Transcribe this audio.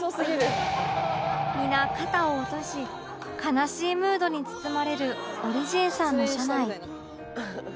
皆肩を落とし悲しいムードに包まれるオリジンさんの社内